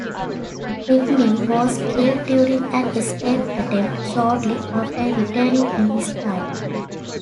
Repnin was killed during an escape attempt shortly after returning in his time.